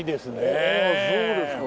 そうですか。